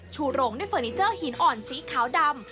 ชูโรงด้วยเฟอร์นิเจอร์หินอ่อนสีขาวดำ